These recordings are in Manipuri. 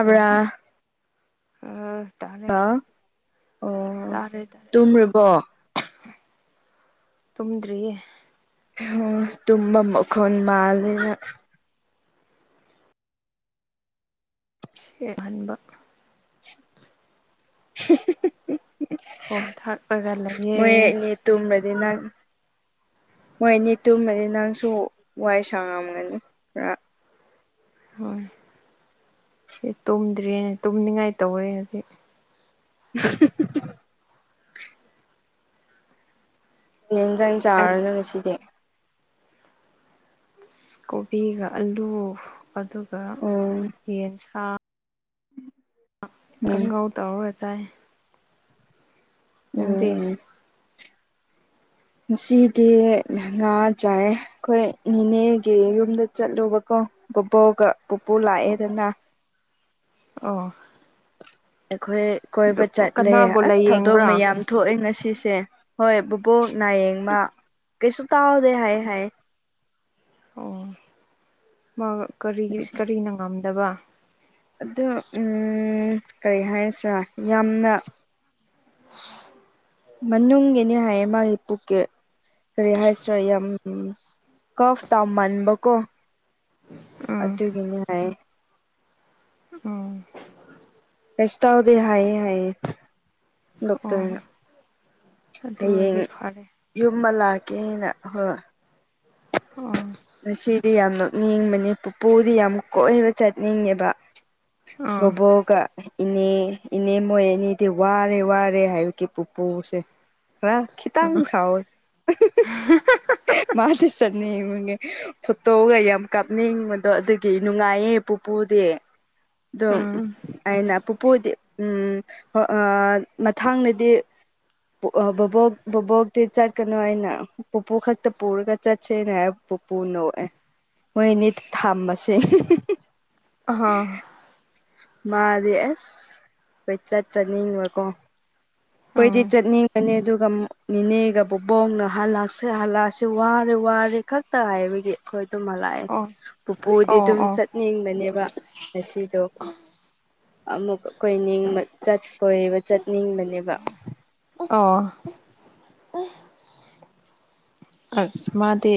ꯍꯜꯂꯣ ꯑ ꯇꯥꯔꯦ ꯍꯥ ꯑꯣ ꯇꯥꯔꯦ ꯇꯥꯔꯦ ꯇꯨꯝꯃꯨꯔꯕꯣ ꯇꯨꯝꯗ꯭ꯔꯤꯌꯦ ꯇꯨꯝꯕ ꯃꯈꯣꯟ ꯃꯥꯜꯂꯦꯅ ꯁ ꯌꯦꯡꯍꯟꯕ [unintelligible] ꯈꯣꯝ ꯊꯥꯛꯂꯒ ꯂꯩꯑꯦ ꯇꯨꯝꯕꯗꯤ ꯅꯪ ꯃꯣꯏꯅꯤ ꯇꯨꯝꯃꯅꯤ ꯅꯪꯁꯨ ꯋꯥꯏ ꯁꯥꯡꯉꯝꯒꯅꯤ ꯈꯔ ꯍꯣꯏ ꯇꯨꯝꯗ꯭ꯔꯤꯅꯦ ꯇꯨꯝꯅꯤꯡꯉꯥꯏ ꯇꯧꯔꯦ ꯍꯧꯖꯤꯛ ꯎ [unintelligible] ꯌꯦꯟꯖꯥꯡ ꯑꯩ ꯆꯥꯔꯅ ꯉꯁꯤꯗꯤ ꯀꯣꯕꯤꯒ ꯑꯂꯨ ꯑꯗꯨꯒ ꯎꯝ ꯌꯦꯟꯁꯥꯡ ꯎꯝ ꯀꯥꯡꯍꯧ ꯇꯧꯔꯒ ꯆꯥꯏ ꯅꯪꯗꯤ ꯎꯝ ꯉꯁꯤꯗꯤ ꯉꯥ ꯆꯥꯏ ꯑꯩꯈꯣꯏ ꯅꯤꯅꯦꯒꯤ ꯌꯨꯝꯗ ꯆꯠꯂꯨꯕꯀꯣ ꯕꯕꯣꯛꯒ ꯄꯨꯄꯨ ꯑꯣ ꯂꯥꯛꯑꯦꯗꯅ ꯑꯣ ꯑꯩꯈꯣꯏ ꯑꯗꯨ ꯀꯣꯏꯕ ꯆꯠꯂꯦ ꯀꯅꯥꯕꯨ ꯑꯁ ꯊꯧꯗꯣꯛ ꯂꯥꯏꯌꯦꯡꯕ꯭ꯔꯥ ꯃꯌꯥꯝ ꯊꯣꯛꯑꯦ ꯉꯁꯤꯁꯦ ꯍꯣꯏ ꯕꯕꯣꯛ ꯅꯥꯌꯦꯡꯃ ꯀꯩꯁꯨ ꯇꯥꯎꯗꯦ ꯍꯥꯏ ꯑꯣ ꯍꯥꯏ ꯑꯣ ꯃꯥ ꯀꯔꯤ ꯀꯔꯤꯅ ꯉꯝꯗꯕ ꯑꯗꯣ ꯎꯝ ꯀꯔꯤ ꯍꯥꯏꯔꯁꯤꯔꯥ ꯌꯥꯝꯅ [unintelligible] ꯃꯅꯨꯡꯒꯤꯅꯤ ꯍꯥꯏꯌꯦ ꯃꯥꯒꯤ ꯄꯨꯛꯀꯦ ꯀꯔꯤ ꯍꯥꯏꯁꯤꯔꯥ ꯌꯥꯝ ꯀꯐ ꯇꯥꯎꯃꯟꯕ ꯀꯣ ꯎꯝ ꯑꯗꯨꯒꯤꯅꯦ ꯍꯥꯏꯌꯦ ꯎꯝ ꯀꯩꯁꯨꯇꯧꯗꯦ ꯍꯥꯏꯌꯦ ꯍꯥꯏꯌꯦ ꯑꯣ ꯗꯣꯛꯇꯔꯅ ꯑꯗꯨ ꯍꯌꯦꯡ ꯑꯣꯏꯔꯗꯤ ꯐꯔꯦ ꯌꯨꯝꯕ ꯂꯥꯛꯀꯦꯅ ꯍꯣꯏ ꯑꯣ ꯉꯁꯤꯗꯤ ꯌꯥꯝ ꯅꯣꯛꯅꯤꯡꯕꯅꯤ ꯄꯨꯄꯨꯗꯤ ꯌꯥꯝ ꯀꯣꯏꯕ ꯆꯠꯅꯤꯡꯉ‌ꯦꯕ ꯑꯥ ꯕ‌ꯣꯕꯣꯛꯀ ꯏꯅꯦ ꯏꯅꯦ ꯃꯣꯏ ꯑꯅꯤꯗꯤ ꯋꯥꯔꯦ ꯋꯥꯔꯦ ꯍꯥꯏꯕꯒꯤ ꯄꯨꯄꯨꯁꯦ ꯈꯔ ꯈꯤꯇꯪ ꯁꯥꯋꯤ ꯃꯥꯗꯤ ꯆꯠꯅꯤꯡꯕꯒꯤ ꯐꯣꯇꯣꯒ ꯌꯥꯝ ꯀꯥꯞꯅꯤꯡꯕꯗꯣ ꯑꯗꯨꯒꯤ ꯅꯨꯡꯉꯥꯏꯌꯦ ꯄꯨꯄꯨꯗꯤ ꯑꯗꯨꯝ ꯑꯥ ꯑꯩꯅ ꯄꯨꯄꯨꯗꯤ ꯎꯝ ꯑ ꯃꯊꯥꯡꯗꯗꯤ ꯕ‌ꯣꯕꯣꯛ ꯕ‌ꯣꯕꯣꯛꯇꯤ ꯆꯠꯀꯅꯨ ꯑꯅ ꯄꯨꯄꯨ ꯈꯛꯇ ꯄꯨꯔꯒ ꯆꯠꯁ‌ꯦꯅ ꯄꯨꯄꯨ ꯅ‌ꯣꯛꯑꯦ ꯃꯣꯏ ꯑꯅꯤ ꯊꯝꯕꯁꯦ ꯑꯍ ꯃꯥꯗꯤ ꯑꯁ ꯀ‌ꯣꯏꯆꯠ ꯆꯠꯅꯤꯡꯕꯀꯣ ꯀꯣꯏꯗꯤ ꯎꯝ ꯆꯠꯅꯤꯡꯕꯅꯤ ꯑꯗꯨꯒ ꯅꯤꯅꯦꯒ ꯕꯨꯕꯣꯛꯅ ꯍꯜꯂꯛꯁꯦ ꯍꯜꯂꯛꯑꯁ‌ꯦ ꯋꯥꯔꯦ ꯋꯥꯔꯦ ꯈꯛ ꯇ ꯍꯥꯏꯕꯒꯤ ꯑꯩꯈꯣꯏ ꯑꯗꯨꯝ ꯍꯂꯛꯑꯦ ꯑꯣ ꯄꯨꯄꯨꯗꯤ ꯑꯣ ꯑꯗꯨꯝ ꯑꯣ ꯆꯠ ꯅꯤꯡꯕꯅꯦꯕ ꯉꯁꯤꯗꯣ ꯑꯃꯨꯛ ꯀꯣꯏꯅꯤꯡꯕ ꯆꯠ ꯀꯣꯏꯕ ꯆꯠꯅꯤꯡꯕꯅꯦꯕ ꯑꯣ ꯑꯁ ꯃꯥꯗꯤ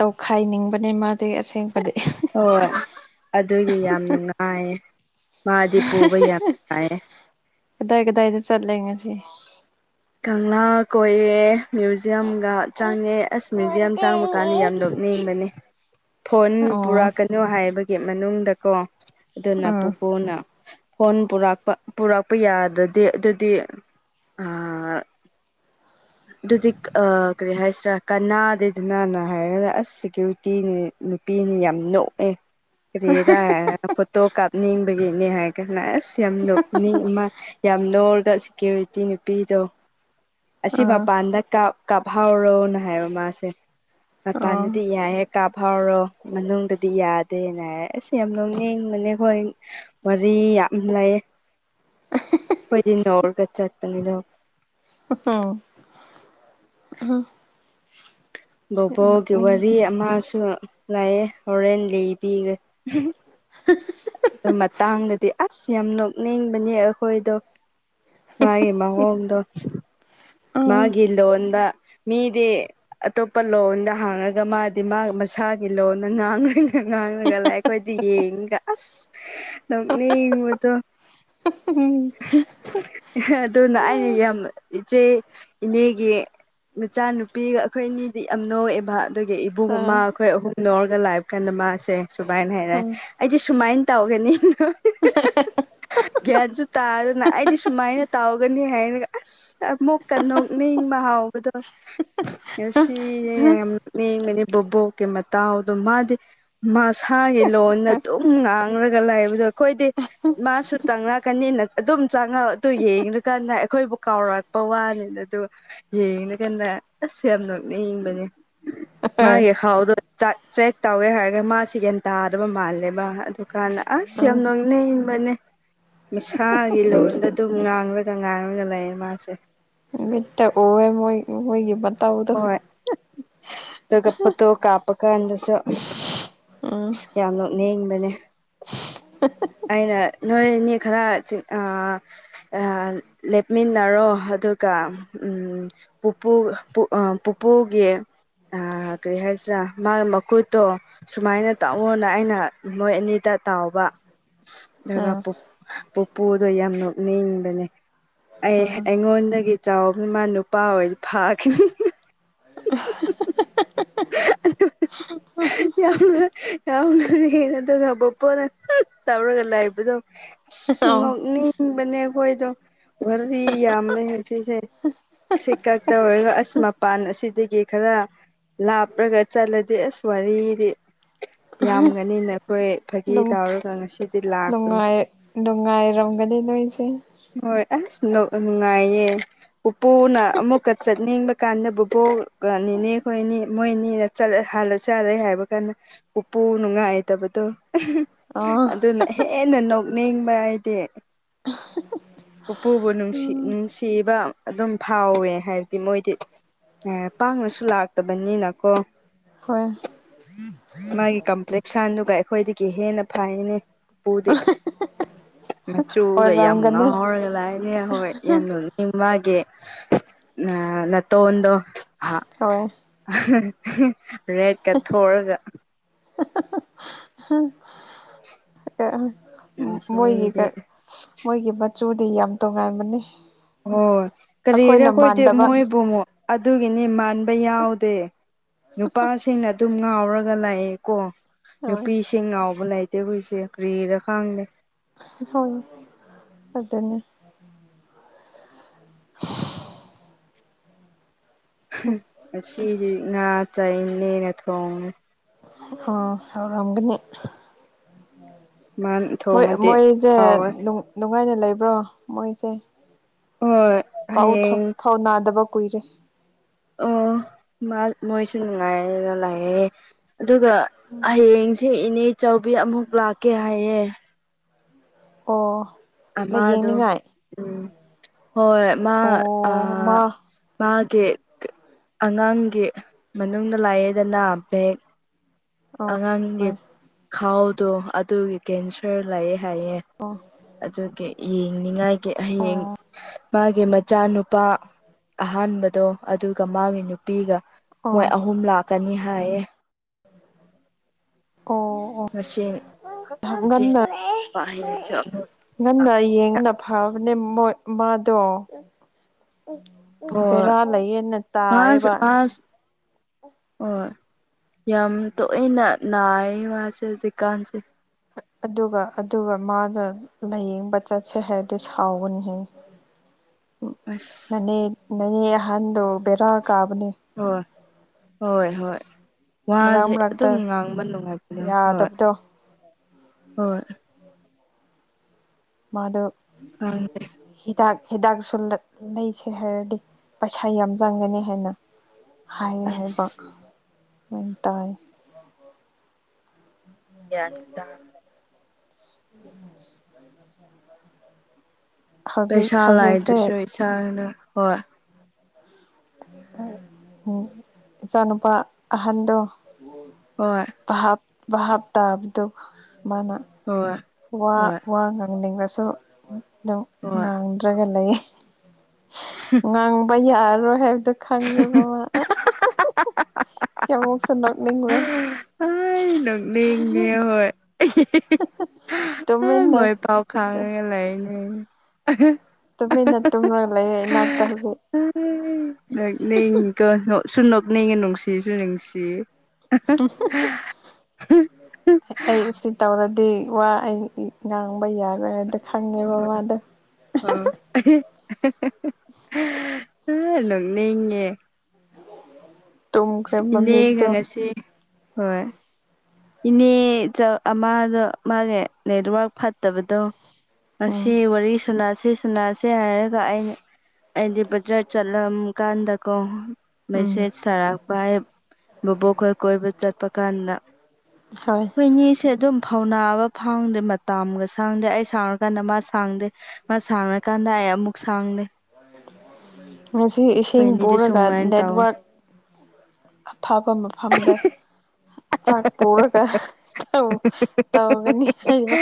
ꯇꯧꯈꯥꯏꯅꯤꯡꯕꯅꯦ ꯃꯥꯗꯤ ꯑꯁꯦꯡꯕꯗꯤ ꯍꯣꯏ ꯑꯗꯨꯒꯤ ꯌꯥꯝ ꯅꯨꯡꯉꯥꯏꯌ‌ꯦ ꯃꯥꯗꯤ ꯄꯨꯕ ꯌꯥꯝ ꯅꯨꯡꯉꯥꯏꯌꯦ ꯀꯗꯥꯏ ꯀꯗꯥꯏꯗ ꯆꯠꯂꯦ ꯉꯁꯤ ꯀꯪꯂꯥ ꯀꯣꯏꯌꯦ ꯃ꯭ꯌꯨꯖꯤꯌꯝꯒ ꯆꯥꯡꯉꯦ ꯑꯁ ꯃ꯭ꯌꯨꯖꯤꯌꯝ ꯆꯥꯡꯕ ꯃꯥꯗꯤ ꯌꯥꯝ ꯅ‌ꯣꯛꯅꯤꯡꯕꯅꯦ ꯐꯣꯟ ꯑꯣ ꯄꯨꯔꯛꯀꯅꯨ ꯍꯥꯏꯕꯒꯤ ꯃꯅꯨꯡꯗꯀꯣ ꯑꯗꯨꯅ ꯑꯥ ꯄꯨꯄꯨꯅ ꯐꯣꯟ ꯄꯨꯔꯛꯄ ꯄꯨꯔꯛꯄ ꯌꯥꯗ꯭ꯔꯗꯤ ꯑꯗꯨꯗꯤ ꯑꯥ ꯑꯗꯨꯗꯤ ꯑ ꯀꯔꯤ ꯍꯥꯏꯁꯤꯔꯥ ꯀꯅꯥ‌ꯦꯗꯗꯅ ꯍꯥꯏꯔꯒ ꯑꯁ ꯁꯦꯀ꯭ꯌꯨꯔꯤꯇꯤꯅꯦ ꯅꯨꯄꯤꯅꯤ ꯌꯥꯝ ꯅꯣꯛꯑꯦ ꯀꯔꯤꯔꯥ ꯍꯥꯏꯔ ꯐꯣꯇꯣ ꯀꯥꯞꯅꯤꯡꯕꯒꯤꯅꯦ ꯍꯥꯏꯔꯒꯥꯟꯅ ꯑꯁ ꯌꯥꯝ ꯅꯣꯛꯅꯤꯡꯃ ꯌꯥꯝ ꯂꯔꯒ ꯁꯦꯀ꯭ꯌꯨꯔꯤꯇꯤ ꯅꯨꯄꯤꯗꯣ ꯑꯁꯤ ꯑꯥ ꯃꯄꯥꯟꯗ ꯀꯥꯞ ꯀꯥꯞꯍꯥꯎꯔꯣꯅ ꯍꯥꯏꯕ ꯃꯥꯁꯦ ꯃꯄꯥꯟꯗꯗꯤ ꯌꯥꯏꯍꯦ ꯀꯥꯞ ꯐꯥꯎꯔꯣ ꯃꯅꯨꯡꯗꯗꯤ ꯌꯥꯗꯦꯅ ꯍꯥꯏꯔꯦ ꯑꯁ ꯌꯥꯝ ꯅ‌ꯣꯛꯅꯤꯡꯕꯅꯦ ꯑꯩꯈꯣꯏ ꯋꯥꯔꯤ ꯌꯥꯝ ꯂꯩ ꯑꯩꯈꯣꯏꯗꯤ ꯅꯧꯔꯒ ꯆꯠꯄꯅꯤꯅꯣ ꯍ‌ꯣ ꯍ‌ꯣ ꯕꯣꯕꯣꯛꯒꯤ ꯋꯥꯔꯤ ꯑꯃꯁꯨ ꯂꯩꯑꯦ ꯍꯣꯔꯦꯟ ꯂꯤꯕꯤꯒ [inaudible] ꯑꯗꯨ ꯃꯇꯥꯡꯗꯗꯤ ꯑꯁ ꯌꯥꯝ ꯅꯣꯛꯅꯤꯡꯕꯅꯦ ꯑꯩꯈꯣꯏꯗꯣ ꯃꯥꯒꯤ ꯃꯑꫭꯡꯗꯣ ꯑꯥ ꯃꯥꯒꯤ ꯂꯣꯟꯗ ꯃꯤꯗꯤ ꯑꯇꯣꯞꯄ ꯂꯣꯟꯗ ꯍꯥꯡꯉꯒ ꯃꯥꯗꯤ ꯃꯥ ꯃꯁꯥꯒꯤ ꯂꯣꯟꯗ ꯉꯥꯡꯕꯅꯤ ꯉꯥꯡꯂꯒ ꯂꯥꯛꯑꯦ ꯑꯩꯈꯣꯏꯗꯤ ꯌꯦꯡꯉꯒ ꯑꯁ ꯅ‌ꯣꯛꯅꯤꯡꯕꯗꯣ ꯎꯝ ꯑꯗꯨꯅ ꯑꯩꯅ ꯌꯥꯝ ꯏꯆꯦ ꯏꯅꯦꯒꯤ ꯃꯆꯥꯅꯨꯄꯤꯒ ꯑꯩꯈꯣꯏ ꯑꯅꯤꯗꯤ ꯌꯥꯝ ꯅꯣꯛꯑꯦꯕ ꯑꯗꯨꯒꯤ ꯏꯕꯨꯡ ꯑꯃ ꯑꯩꯈꯣꯏ ꯑꯍꯨꯝ ꯂꯧꯔꯒ ꯂꯥꯛꯏꯕ ꯀꯥꯟꯗ ꯃꯥꯁꯦ ꯁꯨꯃꯥꯏꯅ ꯍꯥꯏꯔꯦ ꯎꯝ ꯑꯩꯗꯤ ꯁꯨꯃꯥꯏꯅ ꯇꯧꯒꯅꯤꯅ ꯒ꯭ꯌꯥꯟꯁꯨ ꯇꯥꯗꯅ ꯑꯩꯗꯤ ꯁꯨꯃꯥꯏꯅ ꯇꯥꯎꯒꯅꯤ ꯍꯥꯏꯔꯒ ꯑꯁ ꯑꯃꯨꯛꯀ ꯅꯣꯛꯅꯤꯡꯕ ꯍꯥꯎꯕꯗꯣ ꯉꯁꯤ ꯌꯥꯝ ꯃꯤ ꯃꯅꯦ ꯕꯕꯣꯛ ꯀꯦ ꯃꯇ ꯇꯥꯎ ꯑꯗꯨ ꯃꯥꯗꯤ ꯃꯁꯥꯒꯤ ꯂꯣꯟꯅ ꯑꯗꯨꯝ ꯉꯥꯡꯔꯒ ꯂꯩꯕꯗꯣ ꯑꯩꯈꯣꯏꯗꯤ ꯃꯥꯁꯨ ꯆꯪꯂꯪꯂꯛꯀꯅꯤꯅ ꯑꯗꯨꯝ ꯆꯪꯉꯛ ꯑꯗꯨ ꯌꯦꯡꯉꯀꯥꯟꯗ ꯑꯩꯈꯣꯏꯕꯨ ꯀꯥꯎꯔꯛꯄ ꯋꯥꯅꯤꯅ ꯑꯗꯨ ꯌꯦꯡꯅ ꯀꯥꯟꯗ ꯑꯁ ꯌꯥꯝ ꯅꯣꯛꯅꯤꯡꯕꯅꯦ ꯃꯥꯒꯤ ꯈꯥꯎꯗꯣꯥꯛ ꯆꯦꯛ ꯇꯧꯋꯦ ꯍꯥꯏꯔꯒ ꯃꯥꯁꯤꯦ ꯒꯌꯥꯟ ꯇꯥꯗꯕ ꯃꯥꯜꯂꯦ ꯃꯥ ꯀꯥꯟꯗ ꯑꯁ ꯌꯥꯝ ꯅ‌ꯣꯛꯅꯤꯡꯕꯅ‌ꯦ ꯃꯁꯛ ꯊꯒꯤ ꯂꯣꯟꯗ ꯑꯗꯨꯝ ꯉꯥꯡꯂꯒ ꯉꯥꯡꯉꯒ ꯂꯩꯌꯦ ꯃꯥꯁꯦ ꯃꯤꯠꯇ ꯎꯋꯦ ꯃꯣꯏ ꯃꯣꯏ ꯍꯣꯏ ꯑꯗꯨꯒꯒꯞꯄꯠꯇꯣ ꯀꯥꯞꯄꯀꯥꯟꯗꯁꯨ ꯎꯝ ꯌꯥꯝ ꯅꯣꯛꯅꯤꯡꯕꯅꯦ [unintelligible] ꯑꯩꯅ ꯅꯣꯏ ꯑꯅꯤ ꯈꯔ ꯂꯦꯞꯃꯤꯟꯅꯔꯣ ꯑꯗꯨꯒ ꯎꯝ ꯄꯨꯞꯄꯨ ꯑ ꯄꯨꯄꯨꯒꯤ ꯑ ꯀꯔꯤ ꯍꯥꯏꯁ꯭ꯔꯥ ꯃꯥ ꯃꯀꯨꯠꯇꯣ ꯁꯨꯃꯥꯏꯅ ꯇꯥꯛꯑꯣꯣꯅ ꯑꯩꯅ ꯃꯣꯏ ꯑꯅꯤꯗ ꯇꯥꯎꯕ ꯑꯗꯨꯒ ꯑꯥ ꯄꯨꯄꯨꯗꯣ ꯌꯥꯝ ꯅ‌ꯣꯛꯅꯤꯡꯕꯅꯦ ꯑꯩ ꯑꯥ ꯑꯩꯉꯣꯟꯗꯒꯤ ꯆꯥꯎ ꯏꯃꯥ ꯅꯨꯄꯥ ꯑꯣꯏꯗꯤ ꯐꯥꯈꯤꯅꯤ [unintelligible] [unintelligible] ꯌꯥꯝꯅ ꯌꯥꯝꯅ ꯍꯦꯟꯅꯗ ꯈꯕ ꯄꯣꯅ ꯇꯧꯔꯒ ꯂꯥꯏꯕꯗꯣ ꯑꯣ ꯅ‌ꯣꯛꯅꯤꯡꯕꯅ‌ꯦ ꯑꯩꯈ‌ꯣꯏꯗ‌ꯣ ꯒꯔꯤ ꯌꯥꯝꯃꯦ ꯍꯧꯖꯤꯛꯁ‌ꯦ ꯁꯤ ꯀꯛꯇ ꯑꯣꯏꯔꯒ ꯑꯁ ꯃꯄꯥꯟ ꯑꯁꯤꯗꯒꯤ ꯈꯔ ꯂꯥꯞꯄꯔꯒ ꯆꯠꯂꯗꯤ ꯑꯁ ꯋꯥꯔꯤꯗꯤ ꯌꯥꯝꯒꯅꯤꯅ ꯑꯩꯈꯣꯏ ꯐꯥꯒꯤ ꯅꯨꯡ ꯇꯧꯔꯒ ꯉꯁꯤꯗꯤ ꯂꯥꯛꯄꯅꯤ ꯅꯨꯡꯉꯥꯏꯔꯝꯒꯗꯤ ꯅ‌ꯣꯏꯁꯦ ꯍꯣꯏ ꯑꯁ ꯅꯨꯡꯉꯥꯏꯌꯦ ꯄꯨꯄꯨꯅ ꯑꯃꯨꯛꯀ ꯆꯠꯅꯤꯡꯕ ꯀꯥꯟꯗ ꯕꯨꯄꯣꯛ ꯅꯤꯅꯦ ꯈꯣꯏꯅꯤ ꯃꯣꯏꯅꯤꯅꯠꯂ ꯍꯜꯂꯁꯤ ꯍꯜꯂꯦ ꯍꯥꯏꯕ ꯀꯥꯟꯗ ꯎꯄꯨ ꯅꯨꯡꯉꯥꯏꯇꯕꯗꯣ ꯑꯣ ꯑꯗꯨꯅ ꯍꯦꯟꯅ ꯅꯣꯛꯅꯤꯡꯕ ꯍꯥꯏꯗꯤ [unintelligible] ꯄꯨꯄꯨꯕꯨ ꯅꯨꯡꯁꯤ ꯎꯝ ꯅꯨꯡꯁꯤꯕ ꯑꯗꯨꯝ ꯐꯥꯎꯋꯦ ꯍꯥꯏꯕꯗꯤ ꯃꯣꯏꯗꯤ ꯑꯦ ꯄꯥꯡꯅꯁꯨ ꯂꯥꯛꯇꯕꯅꯤꯅꯀꯣ ꯍꯣꯏ ꯃꯥꯒꯤ ꯀꯝꯄ꯭ꯂꯦꯛꯁꯥꯟꯗꯨꯒ ꯑꯩꯈꯣꯏꯗꯒꯤ ꯍꯦꯟꯅ ꯇꯥꯏꯅꯦꯄꯗꯤ ꯃꯆꯨꯒ ꯌꯥꯝ ꯃꯨ ꯑꯣꯏꯔꯝꯒꯅꯤ ꯉꯥꯔꯒ ꯂꯥꯏ ꯑꯦ ꯍꯣꯏ ꯌꯥꯝ ꯅ‌ꯣꯛꯅꯤꯡ ꯃꯥꯒꯤ ꯅꯥꯇꯣꯟꯗꯣ ꯑ ꯍꯣꯏ ꯔꯦꯀ ꯊ‌ꯣꯔꯒ [unintelligible] ꯃꯣꯏꯒꯤ ꯁꯤꯗꯤ ꯃꯣꯏꯒꯤ ꯃꯆꯨꯗꯤ ꯌꯥꯝ ꯇꯣꯉꯥꯏꯥꯟꯕꯅꯤ ꯍꯣꯏ ꯀꯔꯤꯔꯦ ꯑꯩꯈꯣꯏꯗꯤ ꯃꯣꯏꯕꯨ ꯑꯗꯨꯒꯤꯅꯤ ꯃꯥꯟꯕ ꯌꯥꯎꯗꯦ ꯅꯨꯄꯥꯁꯤꯡꯅ ꯑꯗꯨꯝ ꯉꯥꯎꯔꯒ ꯂꯥꯛꯑꯦꯀꯣ ꯍꯣꯏ ꯅꯨꯄꯤꯁꯤꯡ ꯏꯦꯡ ꯉꯥꯎꯕ ꯂꯩꯇꯦ ꯑꯩꯈꯣꯏꯁꯦ ꯀ꯭ꯔꯤꯔ ꯈꯪꯗꯦ ꯍꯣꯏ ꯑꯗꯨꯅꯤ [inaudible] ꯉꯁꯤꯗꯤ ꯉꯥ ꯆꯥꯢ ꯏꯅꯦꯅ ꯊꯣꯡꯉꯦ ꯑꯣ ꯍꯧꯔꯝꯒꯅꯤ ꯃꯥꯅ ꯃꯣꯏ ꯊꯣꯡꯉꯗꯤ ꯃꯣꯏꯖꯦ ꯍꯥꯎꯋꯦ ꯅꯨꯡ ꯅꯨꯡꯉꯥꯏꯅ ꯂꯩꯕ꯭ꯔꯣ ꯃꯣꯏꯁꯦ ꯍꯣꯏ ꯄꯥꯎ ꯊꯥꯝ ꯍꯌꯦꯡ ꯐꯥꯎꯅꯥꯗꯕ ꯀꯨꯏꯔꯦ ꯑꯣ ꯃꯣꯏꯁꯨ ꯅꯨꯡꯉꯥꯏꯔꯅ ꯂꯩꯥꯑꯦ ꯑꯗꯨꯒ ꯍꯌꯦꯡ ꯁ‌ꯦ ꯏꯅꯦ ꯆꯧꯕꯤ ꯑꯃꯨꯛ ꯂꯥꯛꯀꯦ ꯍꯥꯏꯌꯦ ꯑꯣ ꯑ ꯃꯥꯗꯣ ꯂꯥꯏꯌꯦꯡꯅꯤꯡꯉꯥꯏ ꯎꯝ ꯍꯣꯏ ꯃꯥ ꯑꯣ ꯑ ꯃꯥ ꯃꯥꯒꯤ ꯑꯉꯥꯡꯒꯤ ꯃꯅꯨꯡꯗ ꯂꯩꯌ‌ꯩꯗꯅ ꯕꯦꯛ ꯑꯥ ꯑꯉꯥꯡꯒꯤ ꯍꯣꯏ ꯈꯥꯎꯗꯣ ꯑꯗꯨꯒꯤ ꯀꯦꯟꯁꯔ ꯂꯩꯌ‌‌ꯦ ꯍꯥꯏꯌꯦ ꯑ‌ꯣ ꯑꯗꯨꯒꯤ ꯌꯦꯡꯅꯤꯉꯥꯏꯒꯤ ꯍꯌꯦꯡ ꯃꯥꯒꯤ ꯃꯆꯥꯅꯨꯄꯥ ꯑꯍꯥꯟꯕꯗꯣ ꯑꯗꯨꯒ ꯃꯥꯒꯤ ꯅꯨꯄꯤꯒ ꯑꯣ ꯃꯣꯏ ꯑꯍꯨꯝ ꯂꯥꯛꯀꯅꯤ ꯍꯥꯏꯌꯦ ꯑꯣ ꯃꯁꯤꯡ ꯑꯣ ꯏꯆꯦ ꯉꯟꯅ ꯄꯥ ꯍꯌ‌ꯦꯡꯁꯨ ꯑꯃꯨꯛ ꯉꯟꯅ ꯂꯥꯛꯀꯅꯤꯅ ꯌꯦꯡꯕꯅ ꯐꯕꯅꯦ ꯃ‌ꯣꯏ ꯃꯥꯗꯣ ꯍꯣꯏ ꯕꯦꯔꯥ ꯂꯩꯌꯦꯅ ꯃꯥꯁꯨ ꯇꯥꯌꯦꯕ ꯃꯥꯁꯨ ꯍꯣꯏ ꯌꯥꯝ ꯇꯣꯏꯅ ꯅꯥꯏ ꯃꯥꯁꯦ ꯍꯧꯖꯤꯛꯀꯥꯟꯁꯦ ꯑꯗꯨꯒ ꯑꯗꯨꯒ ꯃꯥ‌ꯒ ꯂꯥꯏꯌꯦꯡꯕ ꯆꯠꯁꯦ ꯍꯥꯏꯔꯗꯤ ꯁꯥꯎꯕꯅꯤꯍ‌ꯦ [inaudible] [inaudible] ꯑꯁ ꯅꯅꯦ ꯅꯅꯦ ꯑꯍꯟꯗ ꯕ‌ꯦꯔꯥ ꯀꯥꯕꯅꯦ ꯍꯣꯏ ꯍꯣꯏ ꯍꯣꯏ ꯃꯔꯛ ꯋꯥꯁꯦ ꯃꯔꯛꯇ ꯑꯗꯨꯝ ꯉꯥꯡꯕ ꯅꯨꯡꯉꯥꯏꯕꯅ‌ꯦ ꯍꯣꯏ ꯌꯥꯗꯕꯗꯣ ꯍꯣꯏ ꯃꯥꯗ‌ꯣ ꯈꯪꯗ‌ꯦ ꯍꯤꯗꯥꯛ ꯍꯤꯗꯥꯛꯁꯨ ꯂꯩꯁꯦ ꯍꯥꯏꯔꯗꯤ ꯄꯩꯁꯥ ꯌꯥꯝ ꯆꯪꯒꯅꯤ ꯍꯥꯏꯅ ꯍꯥꯏꯌ‌ꯦꯅ ꯍꯥꯏꯕ ꯑꯁ ꯑꯃꯥꯏꯅ ꯇꯥꯌ‌ꯦ ꯒ꯭ꯌꯥꯟ ꯇꯥ [unintelligible] [unintelligible] [unintelligible] [unintelligible] ꯍꯧꯖꯤꯛ ꯄꯩꯁꯥ ꯍꯧꯖꯤꯛꯁꯦ ꯂꯩꯇ꯭ꯔꯥꯁꯨ ꯏꯁꯥꯅ ꯍꯣꯏ ꯎꯝ ꯏꯆꯥꯅꯨꯄꯥ ꯑꯍꯟꯗ‌ꯣ ꯍꯣꯏ ꯚꯥꯞ ꯚꯥꯞ ꯇꯥꯕꯗꯨ ꯃꯥꯅ ꯍ‌ꯣꯏ ꯋꯥ ꯋꯥ ꯉꯥꯡꯅꯤꯡꯕꯁꯨ ꯑꯗꯨꯝ ꯍꯣꯏ ꯉꯥꯡꯗ꯭ꯔꯒ ꯂꯩ ꯉꯥꯡꯕ ꯌꯥꯔꯣꯏ ꯍꯥꯏꯕꯗꯣ ꯈꯪꯉꯦꯕꯃꯥ ꯀꯌꯥꯃ‌ꯣꯛꯁꯨ ꯅ‌ꯣꯛꯅꯤꯡꯕ꯭ꯔꯥ [unintelligible] ꯑꯥꯏ ꯅꯣꯛꯅꯤꯡꯉꯦ ꯍꯣꯏ [unintelligible] [unintelligible] ꯑ ꯃꯣꯏ ꯄꯥꯎ ꯈꯪꯉꯒ ꯂꯩꯅꯦ ꯇꯨꯃꯤꯟꯅ ꯇꯨꯝꯔꯒ ꯂꯩꯌꯦ ꯏꯅꯥꯛꯇ ꯍꯧꯖꯤꯛ ꯅꯣꯛꯅꯤꯡꯉꯤꯀꯣ ꯅꯣꯛꯁꯨ ꯅ‌ꯣꯛꯅꯤꯡꯉ‌ꯦ ꯅꯨꯡꯁꯤꯁꯨ ꯅꯨꯡꯁꯤꯌ‌ꯦ ꯑꯩ ꯁꯤ [unintelligible] ꯇꯧꯔꯗꯤ ꯋꯥ ꯑꯩ ꯉꯥꯡꯕ ꯌꯥꯔꯣꯏ ꯍꯥꯏꯗꯤ ꯈꯪꯉꯦꯕ ꯋꯥꯗꯣ ꯑꯣ ꯅ‌ꯣꯛꯅꯤꯡꯉꯦ ꯇꯨꯝꯈ꯭ꯔꯦ ꯏꯅꯦꯒ ꯃꯃꯤꯠꯇꯣ ꯉꯁꯤ ꯍꯣꯏ ꯏꯅꯦꯆ ꯑꯃꯗ‌ꯣ ꯃꯥꯒꯤ ꯅꯦꯠꯋꯔꯛ ꯐꯠꯇꯕꯗꯣ ꯎꯝ ꯑꯁꯤ ꯋꯥꯔꯤ ꯁꯅꯁꯤ ꯁꯅꯥꯁꯦ ꯍꯥꯏꯔꯒ ꯑꯩꯅ ꯑꯩꯗꯤ ꯕꯖꯥꯔ ꯆꯠꯂꯝ ꯀꯥꯟꯗꯀꯣ ꯎꯝ ꯃꯦꯁꯦꯠ ꯊꯔꯛꯄ ꯍꯋꯦ ꯕꯣꯕꯣꯛꯈꯣꯏ ꯀꯣꯏꯕ ꯆꯠꯄ ꯀꯥꯟꯗ ꯍꯣꯏ ꯑꯩꯈꯣꯏꯅꯤꯁꯦ ꯑꯗꯨꯝ ꯐꯧꯅꯥꯕ ꯐꯥꯎꯗꯦ ꯃꯇꯥꯝꯒ ꯁꯪꯗꯦ ꯑꯩ ꯁꯪꯉꯀꯥꯟꯗ ꯃꯥ ꯁꯪꯗꯦ ꯃꯥ ꯁꯪꯉꯀꯥꯟꯗ ꯑꯩ ꯑꯃꯨꯛ ꯁꯪꯗꯦ ꯉꯁꯤ ꯏꯁꯤꯡ ꯑꯅꯤꯗꯤ ꯄꯨꯔꯒ ꯁꯨꯃꯥꯏꯅ ꯇꯧꯋꯦ ꯅꯦꯠꯋꯔꯛ ꯑꯐꯕ ꯃꯐꯝꯗ ꯆꯥꯛ ꯄꯨꯔꯒ ꯇꯧ ꯇꯧꯒꯅꯤ ꯑꯩꯕ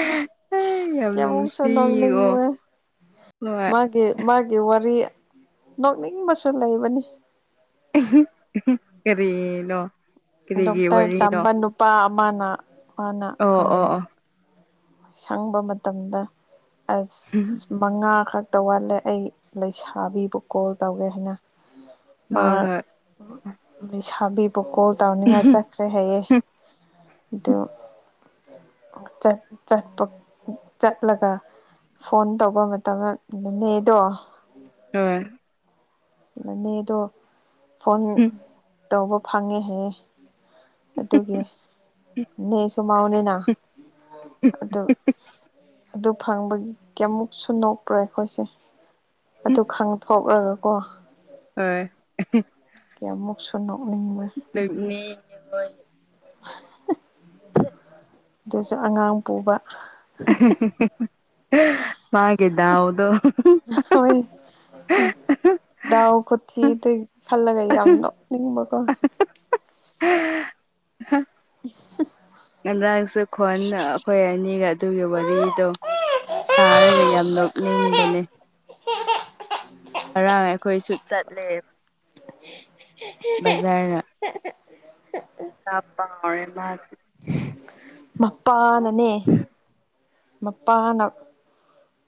ꯑꯩ ꯌꯥꯝ ꯀꯦꯃꯣ ꯁ ꯅꯪꯅꯤ ꯅꯨꯡꯁꯤꯀꯣ [unintelligible] ꯍꯣꯏ ꯃꯥꯒꯤ ꯃꯥꯒꯤ ꯋꯥꯔꯤ ꯅꯣꯛꯅꯤꯡꯕꯁꯨ ꯂꯩꯕꯅꯤ ꯀꯔꯤ ꯅꯣ ꯗꯣꯛꯇꯔ ꯇꯝꯕ ꯅꯨꯄꯥ ꯑꯃꯅ ꯃꯥꯅ ꯑꯣ ꯑ ꯑꯣ ꯑꯣ ꯁꯪꯕ ꯃꯇꯝꯗ ꯑꯁ ꯎꯝ ꯃꯉꯥ ꯈꯛꯇ ꯋꯥꯠꯂꯦ ꯑꯩ ꯂꯩꯁꯥꯕꯤꯕꯨ ꯀꯣꯜ ꯇꯧꯒꯦ ꯍꯥꯏꯅ ꯃꯥ ꯍꯣꯏ ꯂꯩꯁꯥꯕꯤꯕꯨ ꯀꯣꯜ ꯇꯧꯅꯤꯡꯉꯥꯏ ꯆꯠ ꯈꯔꯦ ꯍꯥꯏꯌꯦ ꯑꯗꯨ ꯆꯠ ꯆꯠꯄ ꯆꯠꯂꯒ ꯐꯣꯟ ꯇꯧꯕ ꯃꯇꯝ ꯅꯅꯦꯗꯣ [unintelligible] ꯃꯅꯦꯗꯣ ꯐꯣꯟ ꯍꯣꯏ ꯇꯧꯕ ꯐꯪꯉꯦ ꯍꯥꯏꯌꯦ ꯑꯗꯨꯒꯤ ꯅꯦꯁꯨ ꯃꯎꯅꯤꯅ ꯑꯗꯨ ꯑꯗꯨ ꯐꯪꯕꯒꯤꯌꯥꯃꯨꯛꯁꯨ ꯅꯣꯛꯄ꯭ꯔꯣ ꯑꯩꯈꯣꯏꯁꯦ ꯑꯗꯨ ꯈꯪꯗꯦ ꯀꯣꯛꯂꯒꯀꯣ ꯍꯣꯏ ꯀꯃꯨꯛꯁꯨꯨ ꯅꯣꯛꯅꯤꯡꯕ ꯅꯦ ꯑ [unintelligible] ꯏꯣꯏ [inaudible] [inaudible] ꯑꯗꯨꯁꯨ ꯑꯉꯥꯡ ꯄꯨꯕ ꯃꯥꯒꯤ ꯗꯥꯎꯗꯣ ꯍꯣꯏ ꯎꯝ ꯗꯥꯎ ꯈꯨꯊꯤꯗꯣ ꯈꯜꯂꯒ ꯌꯥꯝ ꯅꯣꯛꯅꯤꯡꯕꯀꯣ [inaudible] ꯉꯗꯥꯡꯁꯦ ꯈꯣꯟ ꯑꯩꯈꯣꯏ ꯑꯅꯤꯒ ꯑꯗꯨꯒꯤ ꯋꯥꯔꯤꯗꯣ ꯁꯥꯔꯒ ꯌꯥꯝ ꯅꯣꯛꯅꯤꯡꯕꯅꯦ ꯉꯔꯥꯡ ꯑꯩꯈꯣꯏꯁꯨ ꯆꯠꯂꯦ [inaudible] ꯕꯖꯥꯔꯗ [inaudible] [unintelligible] ꯀꯥ ꯄꯥꯔ ꯑꯦ ꯃꯥꯁꯤ [unintelligible] ꯃꯄꯥꯅꯅꯦ ꯃꯄꯥꯅ